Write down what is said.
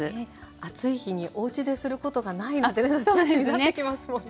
暑い日におうちですることがないなんて夏休みになってきますもんね。